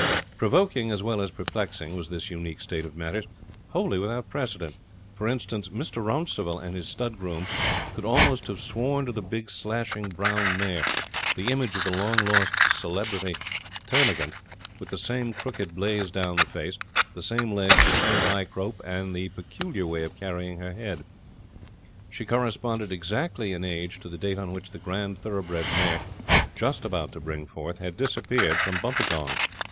Provoking, as well as perplexing, was this unique state of matters wholly without precedent. For instance, Mr. Rouncival and his stud groom could almost have sworn to the big slashing brown mare, the image of the long lost celebrity Termagant, with the same crooked blaze down the face, the same legs, the same high croup and peculiar way of carrying her head. She corresponded exactly in age to the date on which the grand thoroughbred mare, just about to bring forth, had disappeared from Buntagong.